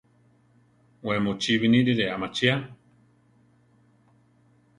We mu chi binírire amachia.